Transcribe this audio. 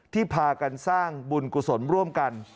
พากันสร้างบุญกุศลร่วมกัน